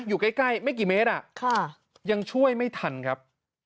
อยู่ใกล้ใกล้ไม่กี่เมตรอ่ะค่ะยังช่วยไม่ทันครับ